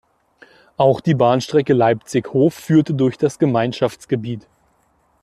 Auch die Bahnstrecke Leipzig–Hof führte durch das Gemeinschaftsgebiet.